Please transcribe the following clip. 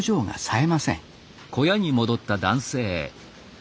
え。